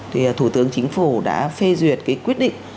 thì thủ tướng chính phủ đã phê duyệt cái quyết định